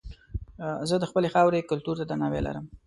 زه د خپلې خاورې کلتور ته درناوی لرم.